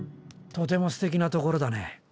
とてもすてきなところだね。